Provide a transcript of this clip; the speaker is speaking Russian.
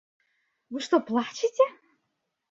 Вы что плачете?